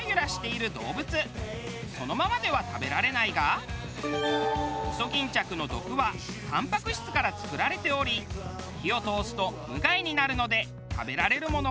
そのままでは食べられないがイソギンチャクの毒はたんぱく質から作られており火を通すと無害になるので食べられるものもあるのです。